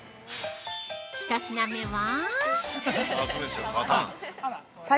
１品目は？